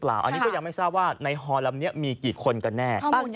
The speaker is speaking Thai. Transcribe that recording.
บอกว่าต้องอย่างไม่แค่เธอว่าในฮอลลำนี้มีกี่คนกันแน่